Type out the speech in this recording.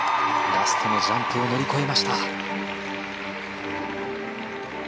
ラストのジャンプを乗り越えました。